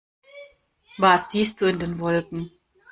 Was siehst du in den Wolken?